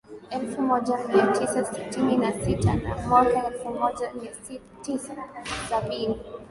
elfu moja mia tisa sitini na sita na mwaka elfu moja mia tisa sabini